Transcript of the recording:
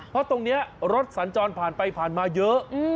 เพราะตรงนี้รถสัญจรผ่านไปผ่านมาเยอะ